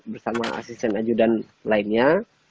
bersama asisten aju dan lainnya